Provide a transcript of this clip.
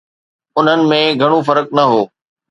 انهن ۾ گهڻو فرق نه هو